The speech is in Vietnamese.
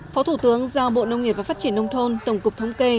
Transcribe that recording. phó thủ tướng giao bộ nông nghiệp và phát triển nông thôn tổng cục thống kê